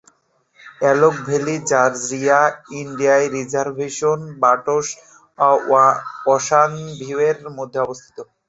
এলক Valley Rancheria Indian reservation বার্টশ-ওশানভিউয়ের মধ্যে অবস্থিত।